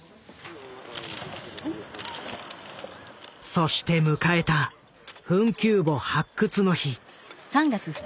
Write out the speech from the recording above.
そして迎えた墳丘墓発掘の日。